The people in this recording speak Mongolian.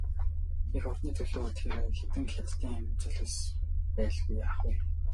Эх орны төлөө тэр хэдэн хятадын амин золиос байлгүй яах вэ?